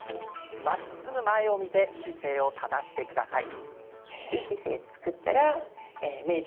まっすぐ前を見て姿勢を正してください。